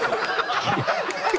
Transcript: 「ハハハハ！」